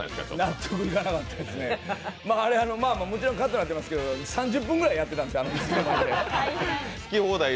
あれ、もちろんカットされてますけど、３０分くらいやってたんです。